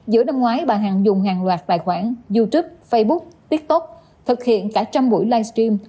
giữa năm ngoái bà hằng dùng hàng loạt tài khoản youtube facebook tiktok thực hiện cả trăm buổi livestream